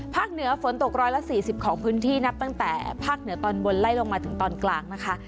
เหนือฝนตก๑๔๐ของพื้นที่นับตั้งแต่ภาคเหนือตอนบนไล่ลงมาถึงตอนกลางนะคะ